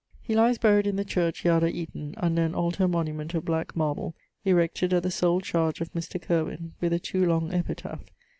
He lies buried in the church yard at Eaton, under an altar monument of black marble, erected at the sole chardge of Mr. ... Curwyn, with a too long epitaph.